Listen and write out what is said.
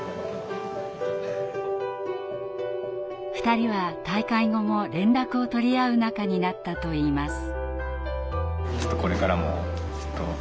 ２人は大会後も連絡を取り合う仲になったといいます。